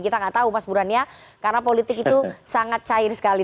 kita tidak tahu mas burhan karena politik itu sangat cair sekali